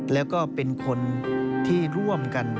แล้วก็เป็นคนที่ร่วมกัน